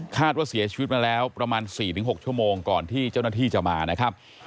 ว่าเสียชีวิตมาแล้วประมาณ๔๖ชั่วโมงก่อนที่เจ้าหน้าที่จะมานะครับ